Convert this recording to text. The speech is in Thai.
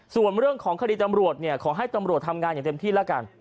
ส่วนเรื่องของคดีตำรวจเนี่ยขอให้ตำรวจทำงานอย่างเต็มที่แล้วกัน